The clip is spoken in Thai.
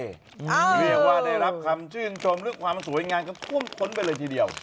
เรียกว่าได้รับคำชื่นชมหรือความสวยงามกันท่วมท้นไปเลยทีเดียว